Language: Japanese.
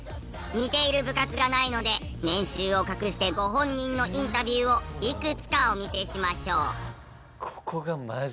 似ている部活がないので年収を隠してご本人のインタビューをいくつかお見せしましょう。